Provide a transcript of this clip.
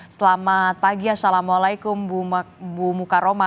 selamat pagi assalamualaikum ibu muka roma